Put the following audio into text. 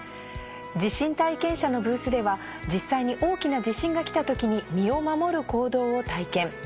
地震体験車のブースでは実際に大きな地震が来た時に身を守る行動を体験。